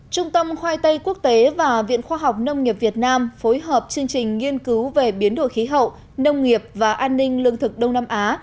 trung tâm khoai tây quốc tế và viện khoa học nông nghiệp việt nam phối hợp chương trình nghiên cứu về biến đổi khí hậu nông nghiệp và an ninh lương thực đông nam á